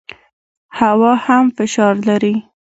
هوا هم فشار لري.